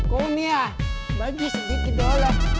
kau ini ya bagi sedikit doang